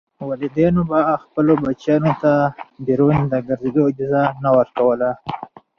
والدینو به خپلو بچیانو ته بیرون د ګرځېدو اجازه نه ورکوله.